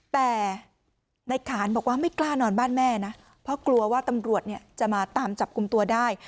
แต่ในขานบอกว่าไม่กล้านอนบ้านแม่นะเพราะกลัวว่าตำรวจเนี่ยจะมาตามจับกลุ่มตัวได้